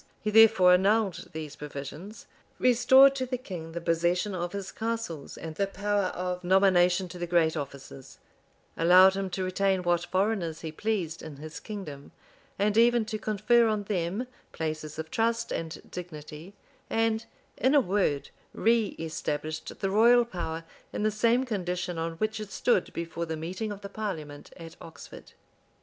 He therefore annulled these provisions; restored to the king the possession of his castles, and the power of nomination to the great offices; allowed him to retain what foreigners he pleased in his kingdom, and even to confer on them places of trust and dignity; and, in a word, reestablished the royal power in the same condition on which it stood before the meeting of the parliament at Oxford.